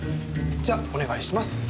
じゃあお願いします。